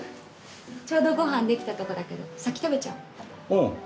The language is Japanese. ちょうど、ごはんできたところだけど先食べちゃう？